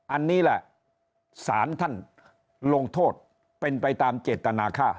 อันนี้แหละสารท่านลงโทษเป็นไปตามเจตนาค่า